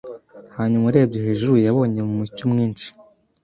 Hanyuma urebye hejuru yabonye mu mucyo mwinshi